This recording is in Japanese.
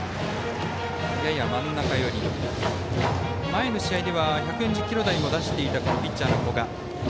前の試合では１４０キロ台も出していたピッチャーの古賀。